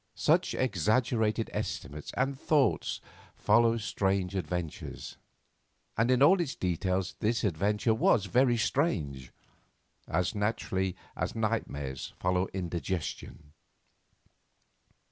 Such exaggerated estimates and thoughts follow strange adventures—and in all its details this adventure was very strange—as naturally as nightmares follow indigestion.